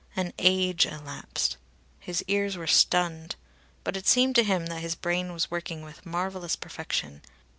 An age elapsed. His ears were stunned. But it seemed to him that his brain was working with marvellous perfection.